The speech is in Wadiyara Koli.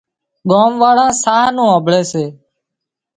ڳام واۯان ساهَه نُون هانمڀۯي سي